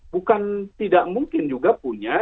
bukan tidak mungkin juga punya